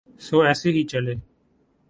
سو ایسے ہی چلے۔